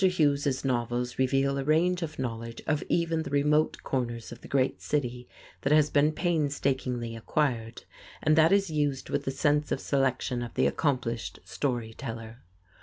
Hughes' novels reveal a range of knowledge of even the remote corners of the great city that has been painstakingly acquired, and that is used with the sense of selection of the accomplished story teller.